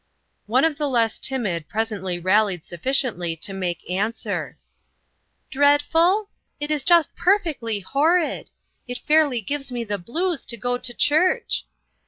One of the less timid presently rallied sufficiently to make answer: "Dreadful? It is just perfectly horrid! It fairly gives me the blues to go to church.